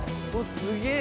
すげえ！